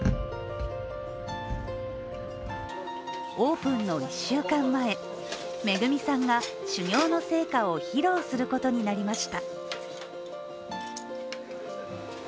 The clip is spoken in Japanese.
オープンの１週間前、恵さんが修業の成果を披露することになりました。